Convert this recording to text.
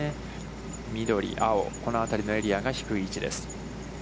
緑、青、このあたりのエリアが、低い位置です。